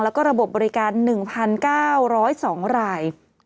แล้วก็ระบบบบริการ๑๙๐๒ราย